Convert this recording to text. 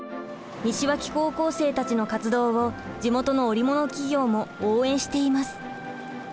西脇高校生たちの活動を地元の織物企業も応援しています。